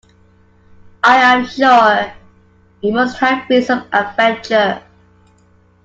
I am sure it must have been some adventure.